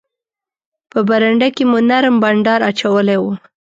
په برنډه کې مو نرم بانډار اچولی وو.